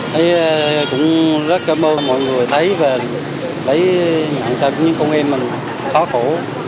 thấy cũng rất cảm ơn mọi người thấy và thấy những con em mình khó khổ